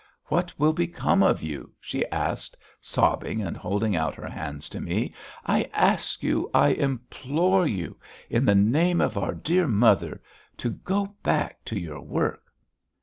What will become of you?" she asked, sobbing and holding out her hands to me. "I ask you, I implore you, in the name of our dear mother, to go back to your work."